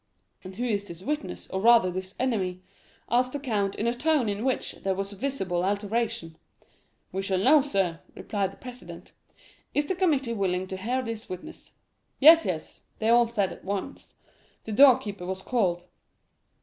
"'And who is this witness, or rather this enemy?' asked the count, in a tone in which there was a visible alteration. 'We shall know, sir,' replied the president. 'Is the committee willing to hear this witness?'—'Yes, yes,' they all said at once. The door keeper was called.